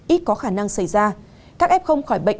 ít có khả năng xảy ra các f không khỏi bệnh